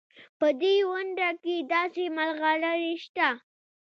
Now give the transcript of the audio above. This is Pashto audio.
په دې ونډه کې داسې ملغلرې شته.